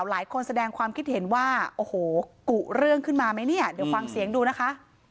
แสดงความคิดเห็นว่าโอ้โหกุเรื่องขึ้นมาไหมเนี่ยเดี๋ยวฟังเสียงดูนะคะ